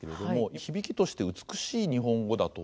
響きとして美しい日本語だと思うんですよね。